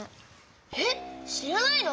えっしらないの？